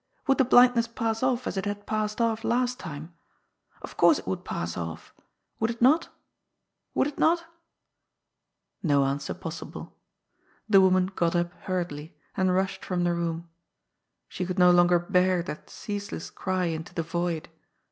Would the blindness pass off as it had passed off last time ? Of course it would pass off — ^would it not ? would it not ? No answer possible. The woman got up hurriedly, and rushed from the room. She could no longer bear that ceaseless cry into the void.